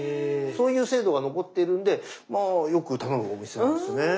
そういう制度が残ってるんでまあよく頼むお店なんですよね。